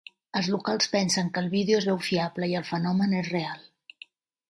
Els locals pensen que el vídeo es veu fiable, i el fenomen és real.